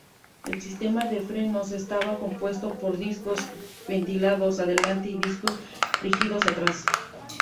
El sistema de frenos estaba compuesto por discos ventilados adelante y discos rígidos atrás.